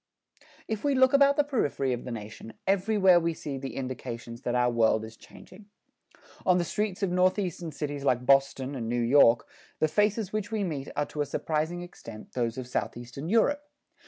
If we look about the periphery of the nation, everywhere we see the indications that our world is changing. On the streets of Northeastern cities like New York and Boston, the faces which we meet are to a surprising extent those of Southeastern Europe.